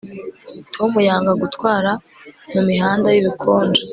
Tom yanga gutwara mumihanda yubukonje